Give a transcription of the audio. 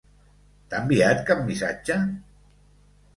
T'ha enviat cap missatge?